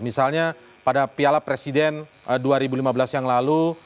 misalnya pada piala presiden dua ribu lima belas yang lalu